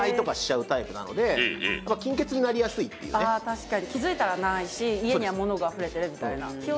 確かに気付いたらないし家には物があふれてるみたいなじゃあえっ